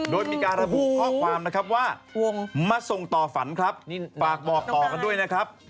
โดยมีการระบุข้อความนะครับว่ามาส่งต่อฝันครับฝากบอกต่อกันด้วยนะครับ